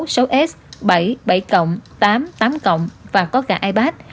năm c sáu sáu s bảy bảy tám tám và có cả ipad